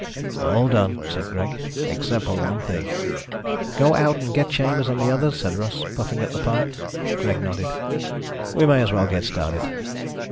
"All done," said Greg, "except for one thing." "Go out and get Chambers and the others," said Russ, puffing at the pipe. Greg nodded. "We may as well get started."